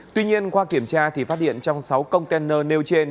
tuy nhiên qua kiểm tra phát hiện trong sáu container nêu trên